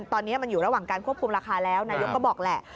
ตอนนี้มันอยู่ระหว่างการควบคุมราคาแล้วนายกก็บอกแหละ